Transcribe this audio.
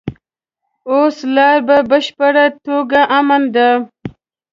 اوس لاره په بشپړه توګه امن ده.